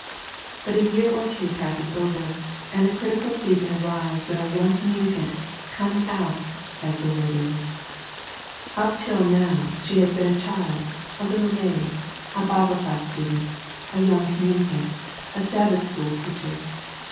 But a year or two passes over, and the critical season arrives when our young communicant 'comes out,' as the word is. Up till now she has been a child, a little maid, a Bible class student, a young communicant, a Sabbath school teacher.